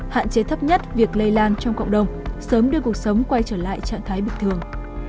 hạn chế thấp nhất việc lây lan trong cộng đồng sớm đưa cuộc sống quay trở lại trạng thái bình thường